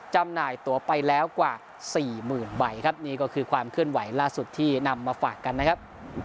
จำหน่ายตัวไปแล้วกว่าสี่หมื่นใบครับนี่ก็คือความเคลื่อนไหวล่าสุดที่นำมาฝากกันนะครับ